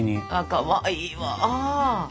かわいいわ。